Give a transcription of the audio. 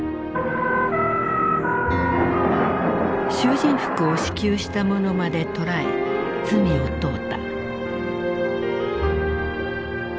囚人服を支給した者まで捕らえ罪を問うた。